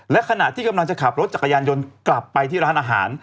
และขณะที่กำลังจะขับรถจักรยานยนต์กลับไปที่ร้านอาหาร